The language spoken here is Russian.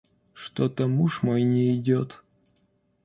Что-то муж мой не идёт.